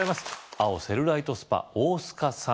青セルライトスパ大須賀さん